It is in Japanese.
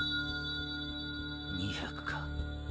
２００か。